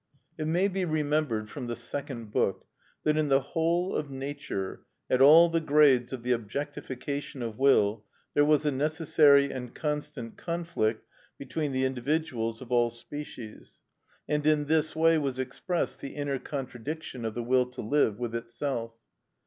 It may be remembered from the Second Book that in the whole of nature, at all the grades of the objectification of will, there was a necessary and constant conflict between the individuals of all species; and in this way was expressed the inner contradiction of the will to live with itself.